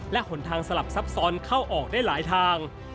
และหนทางสลับซับซ้อนเข้าออกได้หลายทาง